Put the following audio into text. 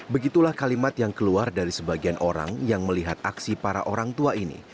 begitulah kalimat yang keluar dari sebagian orang yang melihat aksi para orang tua ini